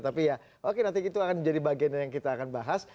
tapi ya oke nanti itu akan menjadi bagian yang kita akan bahas